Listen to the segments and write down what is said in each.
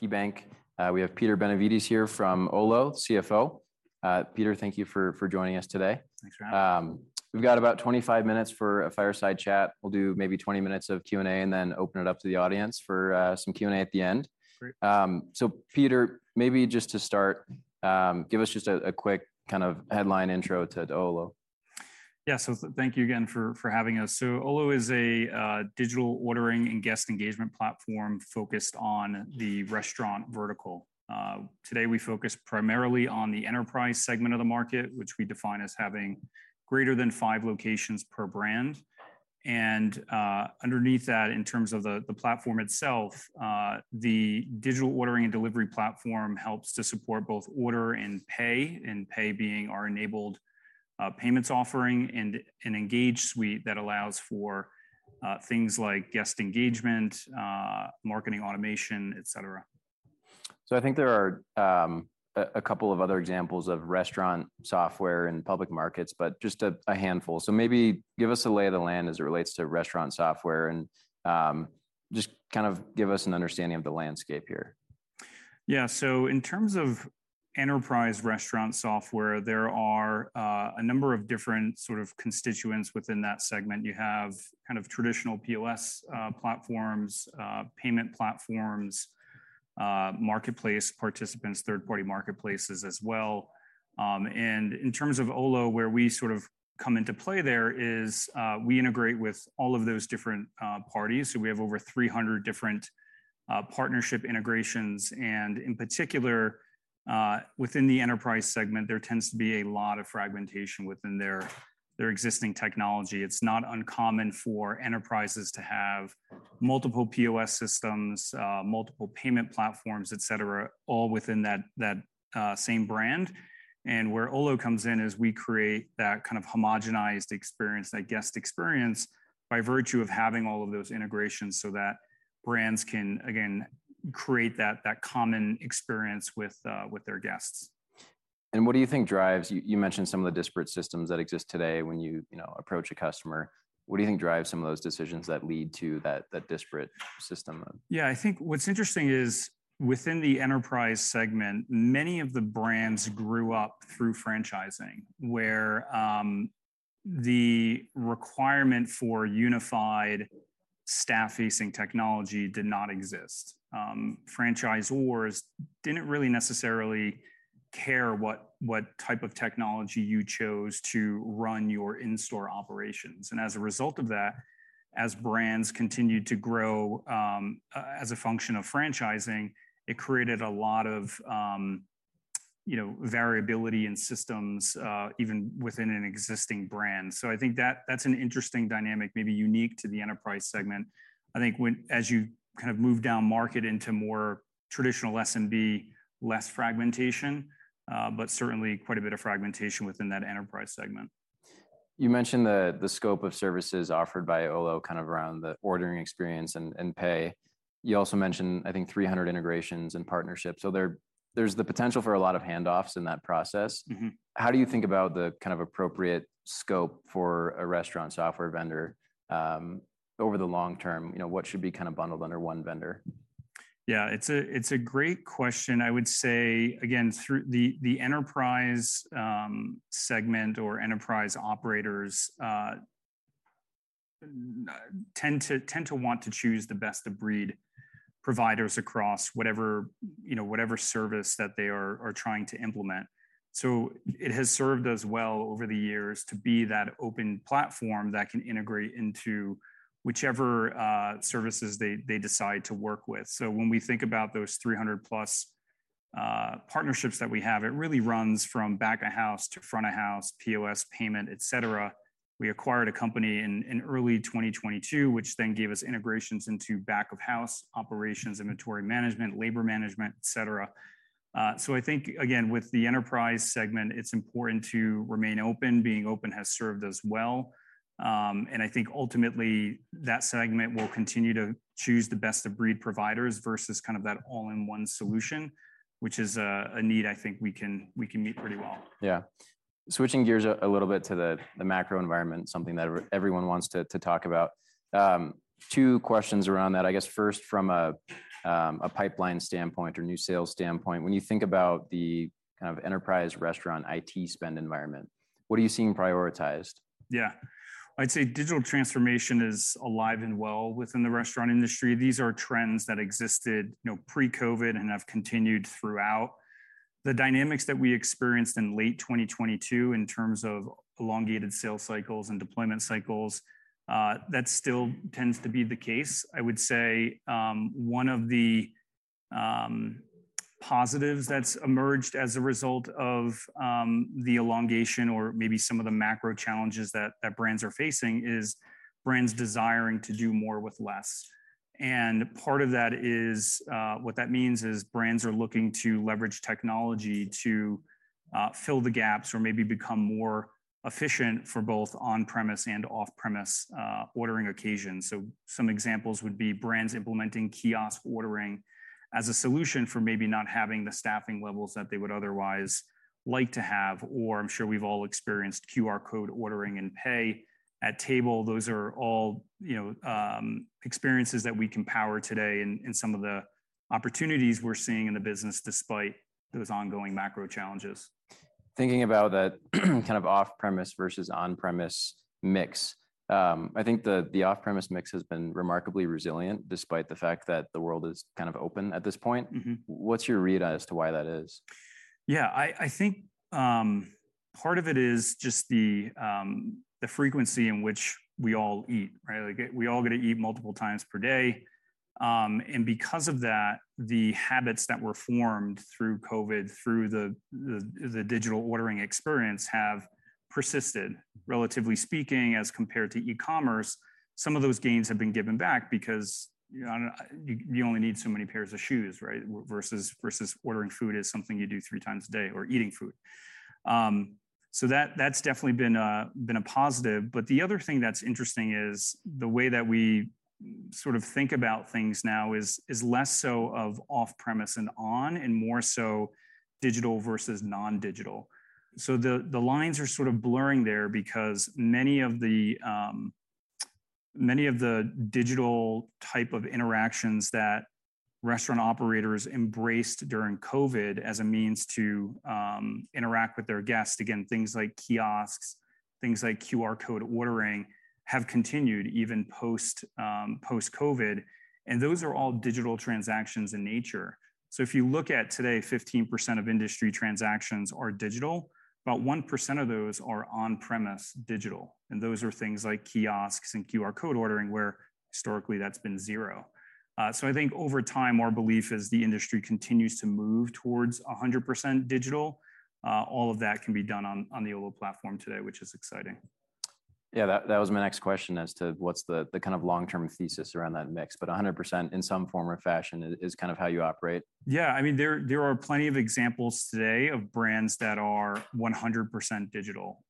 we're at KeyBanc. We have Peter Benevides here from Olo, CFO. Peter, thank you for, for joining us today. Thanks for having me. We've got about 25 minutes for a fireside chat. We'll do maybe 20 minutes of Q&A, and then open it up to the audience for, some Q&A at the end. Great. Peter, maybe just to start, give us just a quick kind of headline intro to Olo. Yeah, thank you again for, for having us. Olo is a digital ordering and guest engagement platform focused on the restaurant vertical. Today we focus primarily on the enterprise segment of the market, which we define as having greater than five locations per brand. Underneath that, in terms of the platform itself, the digital ordering and delivery platform helps to support both Order and Pay, and Pay being our enabled payments offering, and an Engage suite that allows for things like guest engagement, marketing automation, et cetera. I think there are a couple of other examples of restaurant software in public markets, but just a handful. Maybe give us a lay of the land as it relates to restaurant software, and just kind of give us an understanding of the landscape here. Yeah, in terms of enterprise restaurant software, there are a number of different sort of constituents within that segment. You have kind of traditional POS platforms, payment platforms, marketplace participants, third-party marketplaces as well. In terms of Olo, where we sort of come into play there is, we integrate with all of those different parties. We have over 300 different partnership integrations, and in particular, within the enterprise segment, there tends to be a lot of fragmentation within their existing technology. It's not uncommon for enterprises to have multiple POS systems, multiple payment platforms, et cetera, all within that, that same brand. Where Olo comes in is we create that kind of homogenized experience, that guest experience, by virtue of having all of those integrations, so that brands can, again, create that, that common experience with, with their guests. What do you think drives... You, you mentioned some of the disparate systems that exist today when you, you know, approach a customer. What do you think drives some of those decisions that lead to that, that disparate system of? I think what's interesting is, within the enterprise segment, many of the brands grew up through franchising, where, the requirement for unified staff-facing technology did not exist. Franchisors didn't really necessarily care what, what type of technology you chose to run your in-store operations. As a result of that, as brands continued to grow, as a function of franchising, it created a lot of, you know, variability in systems, even within an existing brand. I think that's an interesting dynamic, maybe unique to the enterprise segment. I think as you kind of move down market into more traditional SMB, less fragmentation, but certainly quite a bit of fragmentation within that enterprise segment. You mentioned the, the scope of services offered by Olo, kind of around the ordering experience and, and pay. You also mentioned, I think, 300 integrations and partnerships. There, there's the potential for a lot of handoffs in that process. Mm-hmm. How do you think about the kind of appropriate scope for a restaurant software vendor, over the long term? You know, what should be kind of bundled under one vendor? Yeah, it's a great question. I would say, again, through the enterprise segment or enterprise operators, tend to want to choose the best-of-breed providers across whatever, you know, whatever service that they are trying to implement. It has served us well over the years to be that open platform that can integrate into whichever services they decide to work with. When we think about those 300+ partnerships that we have, it really runs from back of house to front of house, POS, payment, et cetera. We acquired a company in early 2022, which then gave us integrations into back of house operations, inventory management, labor management, et cetera. I think, again, with the enterprise segment, it's important to remain open. Being open has served us well. I think ultimately, that segment will continue to choose the best-of-breed providers versus kind of that all-in-one solution, which is a, a need I think we can, we can meet pretty well. Yeah. Switching gears a little bit to the macro environment, something that everyone wants to talk about. Two questions around that. I guess, first, from a pipeline standpoint or new sales standpoint, when you think about the kind of enterprise restaurant IT spend environment, what are you seeing prioritized? Yeah. I'd say digital transformation is alive and well within the restaurant industry. These are trends that existed, you know, pre-COVID and have continued throughout. The dynamics that we experienced in late 2022, in terms of elongated sales cycles and deployment cycles, that still tends to be the case. I would say, one of the positives that's emerged as a result of the elongation or maybe some of the macro challenges that, that brands are facing is brands desiring to do more with less. Part of that is. What that means is brands are looking to leverage technology to fill the gaps or maybe become more efficient for both on-premise and off-premise ordering occasions. Some examples would be brands implementing kiosk ordering as a solution for maybe not having the staffing levels that they would otherwise like to have, or I'm sure we've all experienced QR code ordering and pay at table. Those are all, you know, experiences that we can power today in, in some of the opportunities we're seeing in the business despite those ongoing macro challenges. Thinking about that kind of off-premise versus on-premise mix, I think the, the off-premise mix has been remarkably resilient, despite the fact that the world is kind of open at this point. Mm-hmm. What's your read as to why that is? Yeah, I, I think, part of it is just the, the frequency in which we all eat, right? Like, we all got to eat multiple times per day, and because of that, the habits that were formed through COVID, through the, the, the digital ordering experience, have persisted. Relatively speaking, as compared to e-commerce, some of those gains have been given back because, you know, you, you only need so many pairs of shoes, right? versus, versus ordering food is something you do three times a day, or eating food. That's definitely been a, been a positive. The other thing that's interesting is the way that we sort of think about things now is, is less so of off-premise and on, and more so digital versus non-digital. The, the lines are sort of blurring there because many of the, many of the digital type of interactions that restaurant operators embraced during COVID as a means to interact with their guests, again, things like kiosks, things like QR code ordering, have continued even post, post-COVID, and those are all digital transactions in nature. If you look at today, 15% of industry transactions are digital, about 1% of those are on-premise digital, and those are things like kiosks and QR code ordering, where historically, that's been 0. I think over time, our belief is the industry continues to move towards a 100% digital. All of that can be done on, on the Olo platform today, which is exciting. Yeah, that was my next question as to what's the kind of long-term thesis around that mix, but 100% in some form or fashion is, is kind of how you operate. Yeah. I mean, there, there are plenty of examples today of brands that are 100% digital.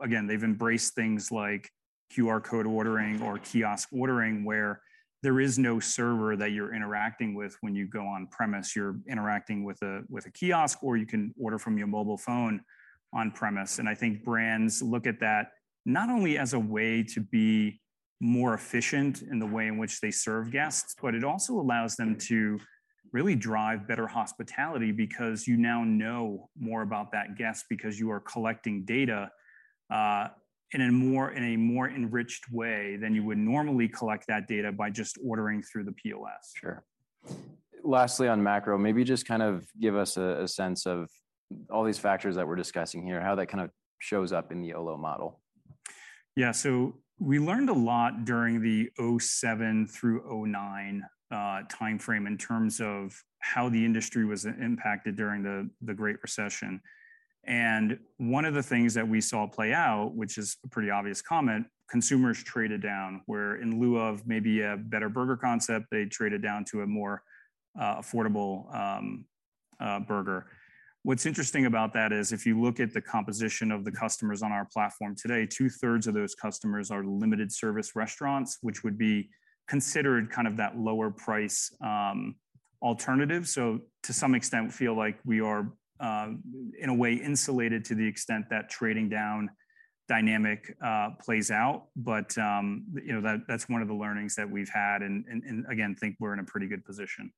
Again, they've embraced things like QR code ordering or kiosk ordering, where there is no server that you're interacting with when you go on-premise. You're interacting with a kiosk, or you can order from your mobile phone on-premise. I think brands look at that not only as a way to be more efficient in the way in which they serve guests, but it also allows them to really drive better hospitality because you now know more about that guest, because you are collecting data in a more enriched way than you would normally collect that data by just ordering through the POS. Sure. Lastly, on macro, maybe just kind of give us a sense of all these factors that we're discussing here, how that kind of shows up in the Olo model. Yeah. We learned a lot during the 2007-2009 timeframe, in terms of how the industry was impacted during the Great Recession. One of the things that we saw play out, which is a pretty obvious comment, consumers traded down, where in lieu of maybe a better burger concept, they traded down to a more affordable burger. What's interesting about that is, if you look at the composition of the customers on our platform today, 2/3 of those customers are limited-service restaurants, which would be considered kind of that lower price alternative. To some extent, we feel like we are in a way, insulated to the extent that trading down dynamic plays out. You know, that's one of the learnings that we've had, and, and, and again, think we're in a pretty good position.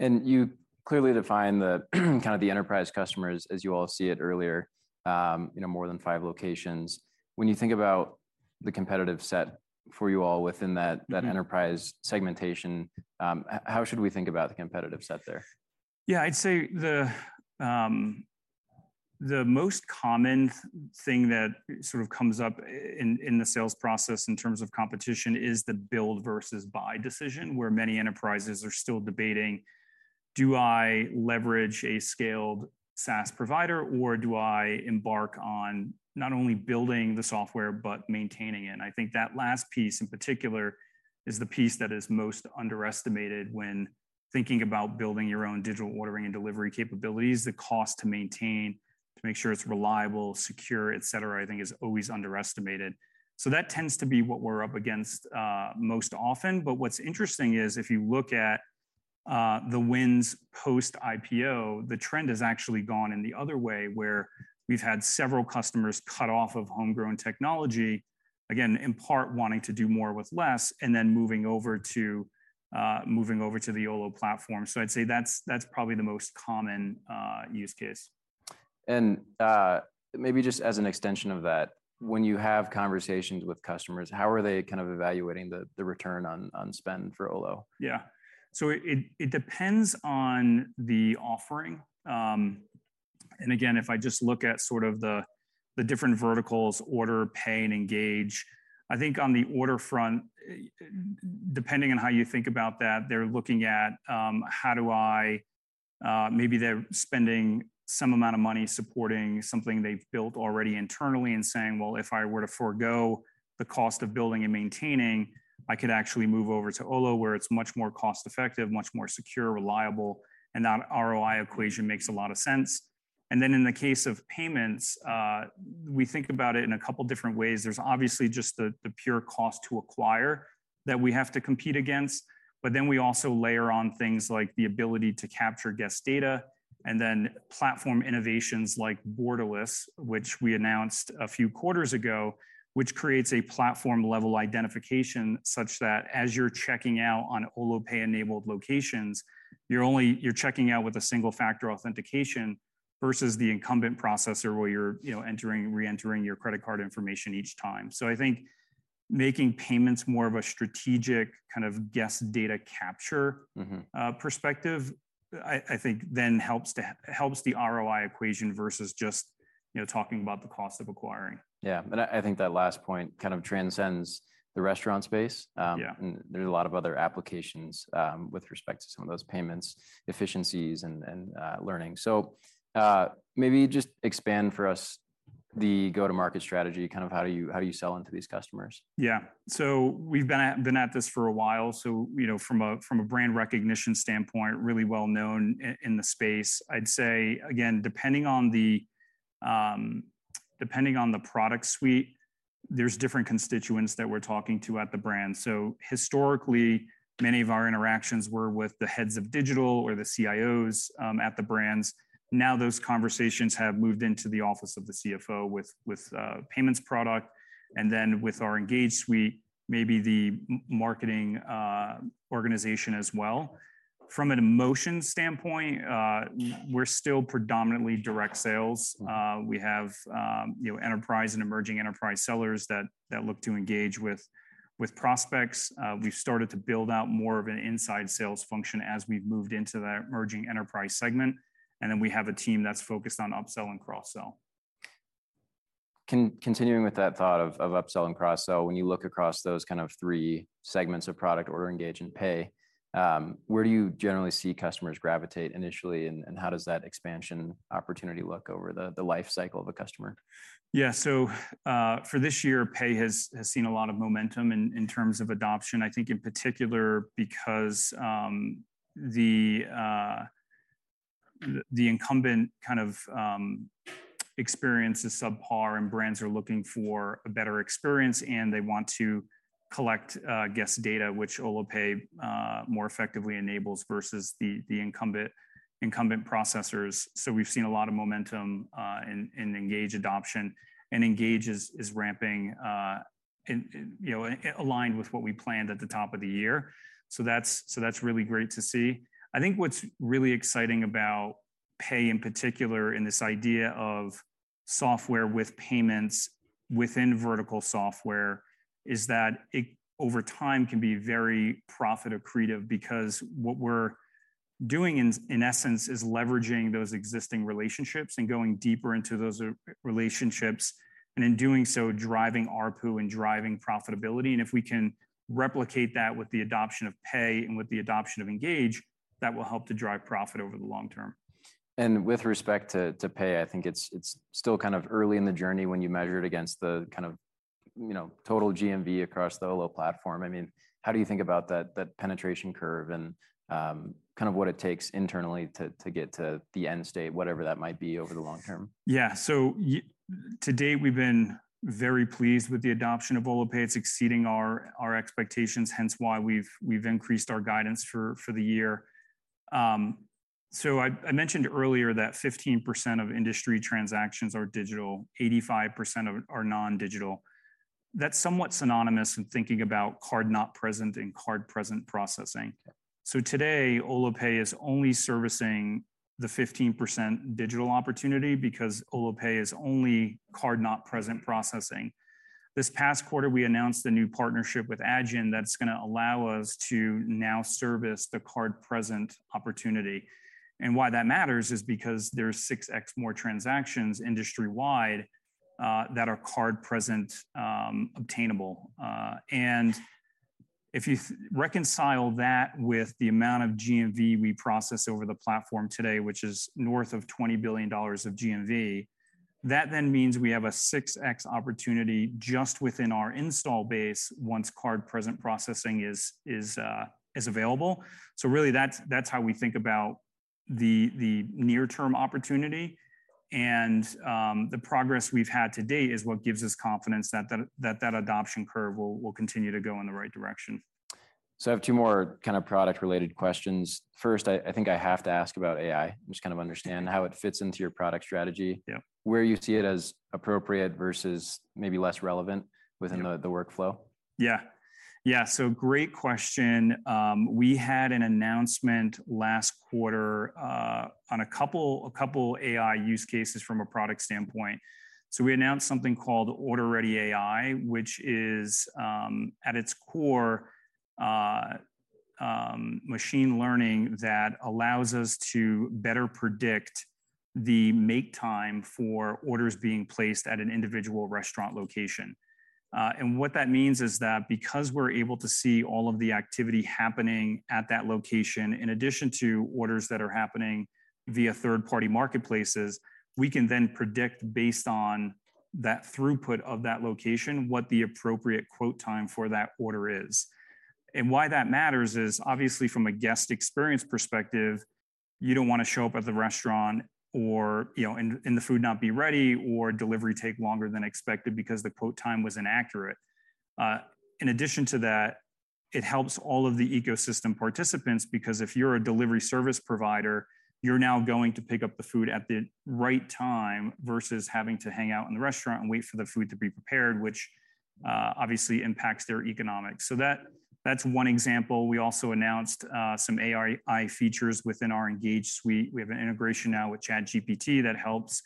You clearly defined the, kind of the enterprise customers, as you all see it earlier, you know, more than five locations. When you think about the competitive set for you all within that. Mm-hmm... that enterprise segmentation, how should we think about the competitive set there? Yeah, I'd say the most common thing that sort of comes up in the sales process in terms of competition is the build versus buy decision, where many enterprises are still debating: Do I leverage a scaled SaaS provider, or do I embark on not only building the software but maintaining it? I think that last piece, in particular, is the piece that is most underestimated when thinking about building your own digital ordering and delivery capabilities. The cost to maintain, to make sure it's reliable, secure, et cetera, I think is always underestimated. That tends to be what we're up against most often. What's interesting is, if you look at, the wins post-IPO, the trend has actually gone in the other way, where we've had several customers cut off of homegrown technology, again, in part, wanting to do more with less, and then moving over to, moving over to the Olo platform. So I'd say that's, that's probably the most common, use case. Maybe just as an extension of that, when you have conversations with customers, how are they kind of evaluating the, the return on, on spend for Olo? Yeah. It, it depends on the offering. Again, if I just look at sort of the, the different verticals, Order, Pay, and Engage, I think on the Order front, depending on how you think about that, they're looking at, maybe they're spending some amount of money supporting something they've built already internally and saying, "Well, if I were to forgo the cost of building and maintaining, I could actually move over to Olo, where it's much more cost-effective, much more secure, reliable," and that ROI equation makes a lot of sense. Then, in the case of payments, we think about it in a couple different ways. There's obviously just the, the pure cost to acquire that we have to compete against, but then we also layer on things like the ability to capture guest data. Platform innovations like Borderless, which we announced a few quarters ago, which creates a platform-level identification, such that as you're checking out on Olo Pay-enabled locations, you're checking out with a single-factor authentication versus the incumbent processor, where you're, you know, entering and reentering your credit card information each time. I think making payments more of a strategic kind of guest data capture- Mm-hmm. perspective, I, I think then helps to helps the ROI equation versus just, you know, talking about the cost of acquiring. Yeah, and I, I think that last point kind of transcends the restaurant space. Yeah. There's a lot of other applications with respect to some of those payments, efficiencies, and, and learning. Maybe just expand for us the go-to-market strategy, kind of how do you, how do you sell into these customers? Yeah. We've been at, been at this for a while, you know, from a, from a brand recognition standpoint, really well known in the space. I'd say, again, depending on the, depending on the product suite, there's different constituents that we're talking to at the brand. Historically, many of our interactions were with the heads of digital or the CIOs at the brands. Now, those conversations have moved into the office of the CFO with, with payments product, and then with our Engage suite, maybe the marketing organization as well. From a motion standpoint, we're still predominantly direct sales. We have, you know, enterprise and emerging enterprise sellers that, that look to engage with, with prospects. We've started to build out more of an inside sales function as we've moved into that emerging enterprise segment, and then we have a team that's focused on upsell and cross-sell. Continuing with that thought of, of upsell and cross-sell, when you look across those kind of three segments of product, Order, Engage, and Pay, where do you generally see customers gravitate initially, and how does that expansion opportunity look over the life cycle of a customer? Yeah, for this year, Pay has seen a lot of momentum in terms of adoption. I think, in particular, because the incumbent kind of experience is subpar, and brands are looking for a better experience, and they want to collect guest data, which Olo Pay more effectively enables versus the incumbent processors. We've seen a lot of momentum in Engage adoption, and Engage is ramping, and, you know, aligned with what we planned at the top of the year. That's really great to see. I think what's really exciting about Pay, in particular, and this idea of software with payments within vertical software, is that it, over time, can be very profit accretive. What we're doing in, in essence, is leveraging those existing relationships and going deeper into those relationships, and in doing so, driving ARPU and driving profitability, and if we can replicate that with the adoption of Pay and with the adoption of Engage, that will help to drive profit over the long term. With respect to, to Pay, I think it's, it's still kind of early in the journey when you measure it against the kind of, you know, total GMV across the Olo platform. I mean, how do you think about that, that penetration curve and, kind of what it takes internally to, to get to the end state, whatever that might be over the long term? Yeah. To date, we've been very pleased with the adoption of Olo Pay. It's exceeding our expectations, hence why we've increased our guidance for the year. I mentioned earlier that 15% of industry transactions are digital, 85% of it are non-digital. That's somewhat synonymous in thinking about card not present and card present processing. Yeah. Today, Olo Pay is only servicing the 15% digital opportunity because Olo Pay is only card not present processing. This past quarter, we announced a new partnership with Adyen that's gonna allow us to now service the card present opportunity, and why that matters is because there are 6x more transactions industry-wide that are card present obtainable. If you reconcile that with the amount of GMV we process over the platform today, which is north of $20 billion of GMV, that then means we have a 6x opportunity just within our install base once card-present processing is available. Really, that's, that's how we think about the, the near-term opportunity, and the progress we've had to date is what gives us confidence that that, that that adoption curve will, will continue to go in the right direction. I have two more kind of product-related questions. First, I think I have to ask about AI, just kind of understand how it fits into your product strategy... Yeah ... where you see it as appropriate versus maybe less relevant- Yeah within the, the workflow. Yeah. Yeah, great question. We had an announcement last quarter on a couple, a couple AI use cases from a product standpoint. We announced something called Order Ready AI, which is, at its core, machine learning that allows us to better predict the make time for orders being placed at an individual restaurant location. What that means is that because we're able to see all of the activity happening at that location, in addition to orders that are happening via third-party marketplaces, we can then predict, based on that throughput of that location, what the appropriate quote time for that order is. Why that matters is, obviously, from a guest experience perspective, you don't want to show up at the restaurant or, you know, and, and the food not be ready or delivery take longer than expected because the quote time was inaccurate. In addition to that, it helps all of the ecosystem participants, because if you're a delivery service provider, you're now going to pick up the food at the right time, versus having to hang out in the restaurant and wait for the food to be prepared, which obviously impacts their economics. That, that's one example. We also announced some AI features within our Engage suite. We have an integration now with ChatGPT that helps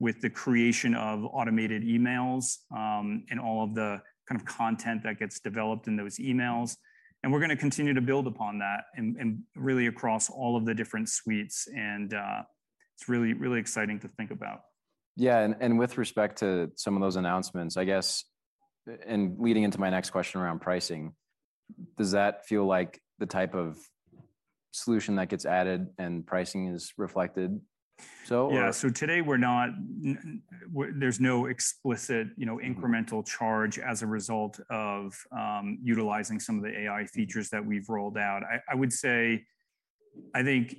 with the creation of automated emails, and all of the kind of content that gets developed in those emails. We're gonna continue to build upon that, and, and really across all of the different suites, and, it's really, really exciting to think about. Yeah, with respect to some of those announcements, I guess, and leading into my next question around pricing, does that feel like the type of solution that gets added and pricing is reflected, so? Yeah. today we're not- there's no explicit, you know. Mm-hmm... incremental charge as a result of, utilizing some of the AI features that we've rolled out. I, I would say, I think,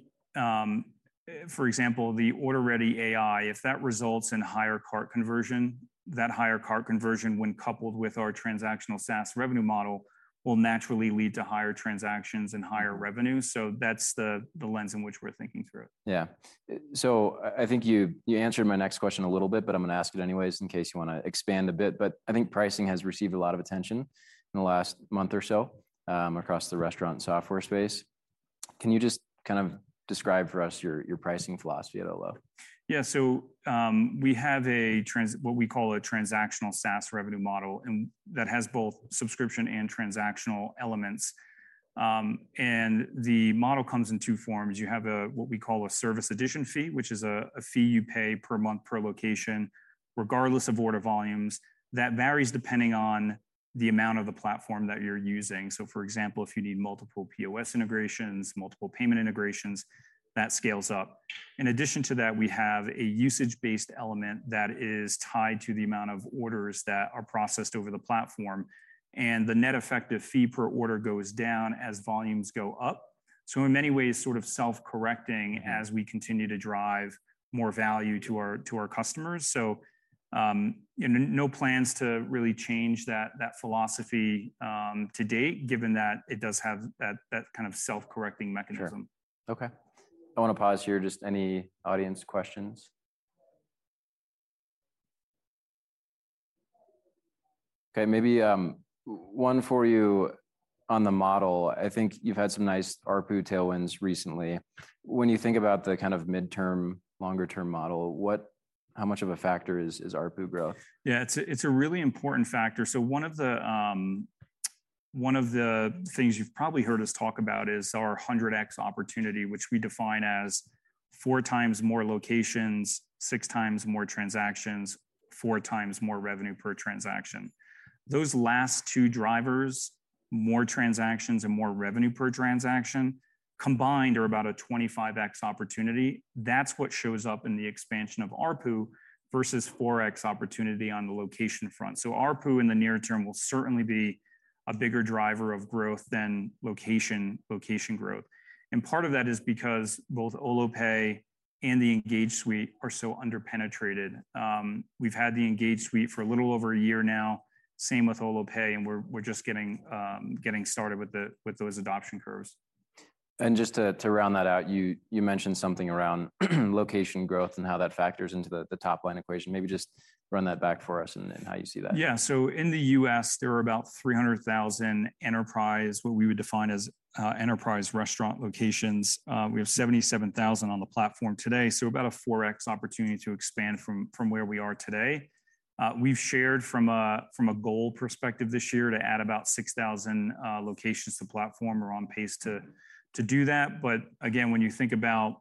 for example, the Order Ready AI, if that results in higher cart conversion, that higher cart conversion, when coupled with our transactional SaaS revenue model, will naturally lead to higher transactions and higher revenue. So that's the, the lens in which we're thinking through it. Yeah. I, I think you, you answered my next question a little bit, but I'm going to ask it anyways in case you want to expand a bit. I think pricing has received a lot of attention in the last month or so, across the restaurant software space. Can you just kind of describe for us your, your pricing philosophy at Olo? Yeah, we have what we call a transactional SaaS revenue model, and that has both subscription and transactional elements. The model comes in two forms. You have what we call a service addition fee, which is a fee you pay per month, per location, regardless of order volumes. That varies depending on the amount of the platform that you're using. For example, if you need multiple POS integrations, multiple payment integrations, that scales up. In addition to that, we have a usage-based element that is tied to the amount of orders that are processed over the platform, and the net effective fee per order goes down as volumes go up. In many ways, sort of self-correcting as we continue to drive more value to our, to our customers. No plans to really change that, that philosophy, to date, given that it does have that, that kind of self-correcting mechanism. Sure. Okay. I want to pause here. Just any audience questions? Okay, maybe, one for you on the model. I think you've had some nice ARPU tailwinds recently. When you think about the kind of midterm, longer-term model, how much of a factor is, is ARPU growth? Yeah, it's a really important factor. One of the things you've probably heard us talk about is our 100x opportunity, which we define as 4x more locations, 6x more transactions, 4x more revenue per transaction. Those last two drivers, more transactions and more revenue per transaction, combined, are about a 25x opportunity. That's what shows up in the expansion of ARPU versus 4x opportunity on the location front. ARPU in the near term will certainly be a bigger driver of growth than location, location growth. Part of that is because both Olo Pay and the Engage suite are so underpenetrated. We've had the Engage suite for a little over a year now. Same with Olo Pay, and we're just getting started with those adoption curves. Just to, to round that out, you, you mentioned something around, location growth and how that factors into the, the top-line equation. Maybe just run that back for us and, and how you see that. Yeah. In the U.S., there are about 300,000 enterprise, what we would define as, enterprise restaurant locations. We have 77,000 on the platform today, about a 4x opportunity to expand from, from where we are today. We've shared from a, from a goal perspective this year to add about 6,000 locations to the platform. We're on pace to, to do that. Again, when you think about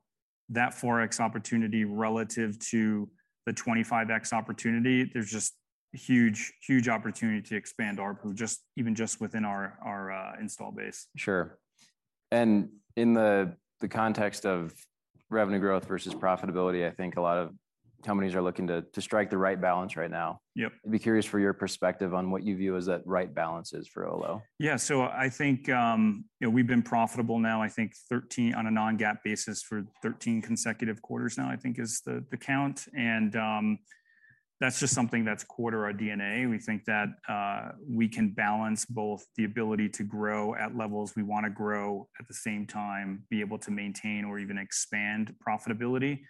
that 4x opportunity relative to the 25x opportunity, there's just huge, huge opportunity to expand ARPU, just, even just within our, our install base. Sure. In the, the context of revenue growth versus profitability, I think a lot of companies are looking to, to strike the right balance right now. Yep. I'd be curious for your perspective on what you view as that right balance is for Olo. Yeah. I think, you know, we've been profitable now, I think 13 on a non-GAAP basis, for 13 consecutive quarters now, I think is the, the count. That's just something that's core to our DNA. We think that we can balance both the ability to grow at levels we want to grow, at the same time, be able to maintain or even expand profitability.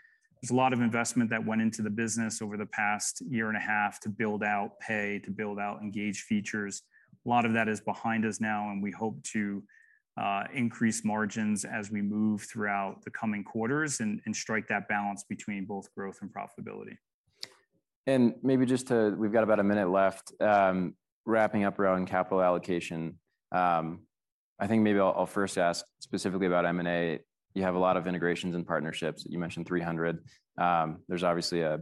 There's a lot of investment that went into the business over the past year and a half to build out Pay, to build out Engage features. A lot of that is behind us now, and we hope to increase margins as we move throughout the coming quarters and strike that balance between both growth and profitability. Maybe just to. We've got about a minute left, wrapping up around capital allocation. I think maybe I'll, I'll first ask specifically about M&A. You have a lot of integrations and partnerships. You mentioned 300. There's obviously a,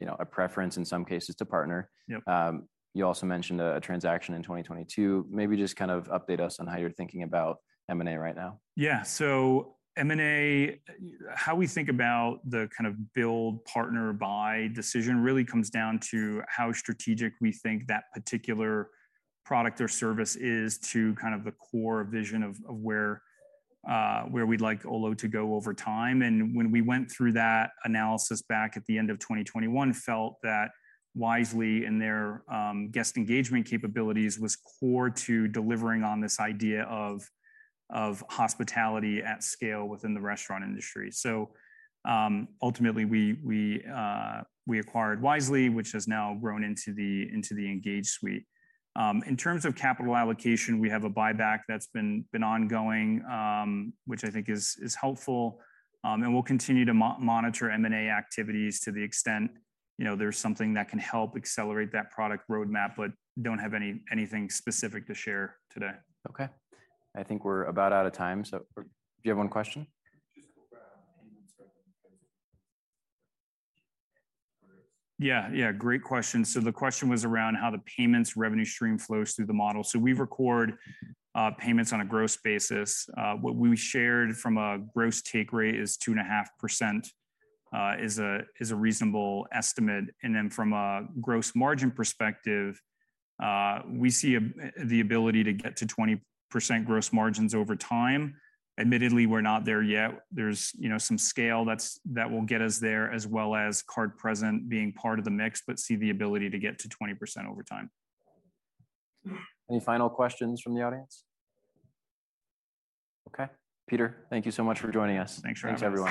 you know, a preference in some cases to partner. Yep. You also mentioned a, a transaction in 2022. Maybe just kind of update us on how you're thinking about M&A right now. Yeah. M&A, how we think about the kind of build, partner, buy decision really comes down to how strategic we think that particular product or service is to kind of the core vision of, of where we'd like Olo to go over time. When we went through that analysis back at the end of 2021, felt that Wisely and their guest engagement capabilities was core to delivering on this idea of, of hospitality at scale within the restaurant industry. Ultimately, we, we acquired Wisely, which has now grown into the, into the Engage suite. In terms of capital allocation, we have a buyback that's been, been ongoing, which I think is, is helpful. We'll continue to monitor M&A activities to the extent, you know, there's something that can help accelerate that product roadmap, but don't have anything specific to share today. Okay. I think we're about out of time, so... Do you have one question? Just quick around payments, right? Yeah, yeah, great question. The question was around how the payments revenue stream flows through the model. We record payments on a gross basis. What we shared from a gross take rate is 2.5%, is a reasonable estimate. From a gross margin perspective, we see the ability to get to 20% gross margins over time. Admittedly, we're not there yet. There's, you know, some scale that's, that will get us there, as well as card-present being part of the mix, but see the ability to get to 20% over time. Any final questions from the audience? Okay. Peter, thank you so much for joining us. Thanks for having me. Thanks, everyone.